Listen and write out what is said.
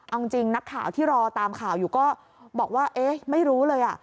เอาจริงนักข่าวที่รอตามข่าวอยู่ก็บอกว่าเอ๊ะไม่รู้เลย